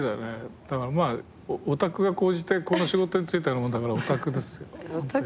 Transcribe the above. オタクが高じてこの仕事に就いたようなもんだからオタクですよ。